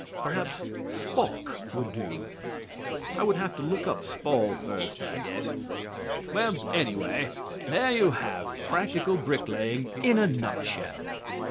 Perhaps "swawk" would do. I'll have to look up "spawl" first, I guess. Well, anyway, there you have practical bricklaying in a nutshell.